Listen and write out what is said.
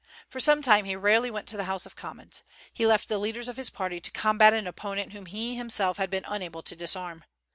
For some time he rarely went to the House of Commons. He left the leaders of his party to combat an opponent whom he himself had been unable to disarm.